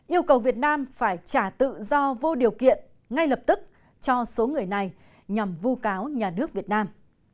yêu cầu việt nam phải trả tự do vô điều kiện ngay lập tức cho số người này nhằm vu cáo nhà nước việt nam